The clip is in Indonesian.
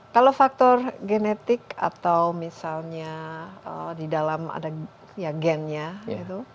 kalau faktor genetik atau misalnya di dalam ada ya gennya gitu